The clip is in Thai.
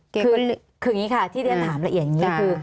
คืออย่างนี้ค่ะที่เรียนถามละเอียดอย่างนี้คือ